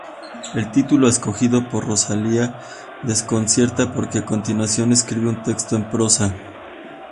El título escogido por Rosalía desconcierta porque a continuación escribe un texto en prosa.